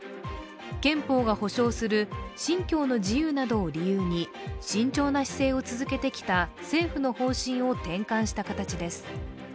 憲法が保障する信教の自由などを理由に慎重な姿勢を続けてきた政府の方針を転換した形です。